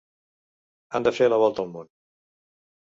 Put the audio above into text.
Han de fer la volta al món.